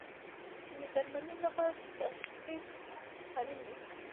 د درملنې لپاره تشخیص اړین دی